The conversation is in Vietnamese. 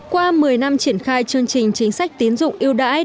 qua một mươi năm triển khai chương trình chính sách tiến dụng yêu đải